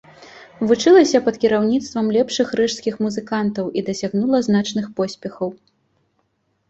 Вучылася пад кіраўніцтвам лепшых рыжскіх музыкантаў і дасягнула значных поспехаў.